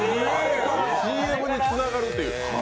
ＣＭにつながるという。